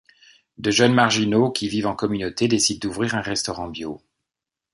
De jeunes marginaux qui vivent en communauté décident d'ouvrir un restaurant bio.